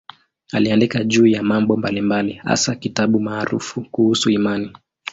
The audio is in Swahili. Aliandika juu ya mambo mbalimbali, hasa kitabu maarufu kuhusu imani.